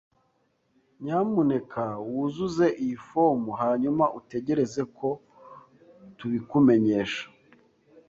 Nyamuneka wuzuze iyi fomu hanyuma utegereze ko tubikumenyesha.